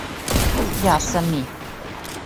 Ја сам ми.